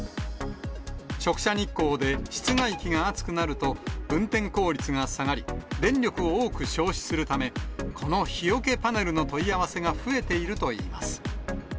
直射日光で室外機が熱くなると、運転効率が下がり、電力を多く消費するため、この日よけパネルの問い合わせが増えているといいます。